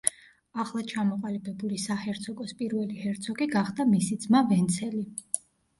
ახლად ჩამოყალიბებული საჰერცოგოს პირველი ჰერცოგი გახდა მისი ძმა ვენცელი.